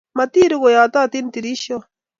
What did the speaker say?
Matiruu konyototin tirishok